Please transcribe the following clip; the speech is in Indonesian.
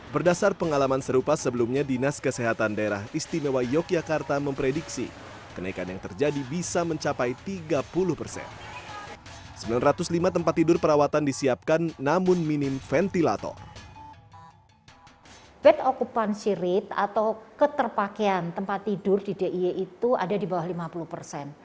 bed occupancy rate atau keterpakaian tempat tidur di dia itu ada di bawah lima puluh persen